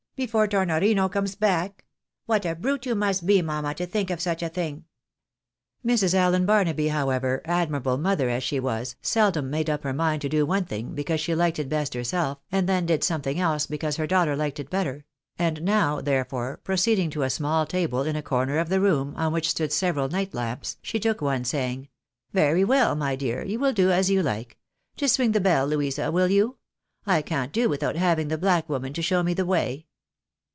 before Tornorino comes back ? What a brute you must be, mamma, to think of such a thing !" Mrs. Allen Barnaby, however, admirable mother as she was, seldom made up her mind to do one thing, because she hked it best herself, and then did something else because her daughter liked it better ; and now, therefore, proceeding to a small table in a corner of the room, on which stood several night lamps, she took one, saying, " Very well, my dear, you will do as you like. Just ring the bell, Louisa — will you ? I can't do without having the black woman to show me the way."